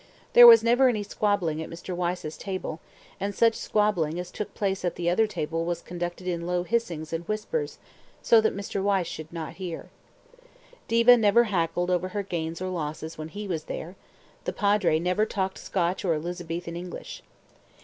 There was never any squabbling at Mr. Wyse's table, and such squabbling as took place at the other tables was conducted in low hissings and whispers, so that Mr. Wyse should not hear. Diva never haggled over her gains or losses when he was there, the Padre never talked Scotch or Elizabethan English.